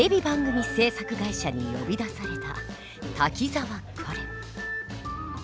番組制作会社に呼び出された滝沢カレン。